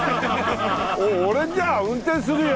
俺じゃあ運転するよ！